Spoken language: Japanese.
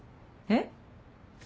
えっ？